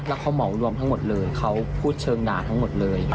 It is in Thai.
แล้วเขาเหมารวมทั้งหมดเลยเขาพูดเชิงด่าทั้งหมดเลย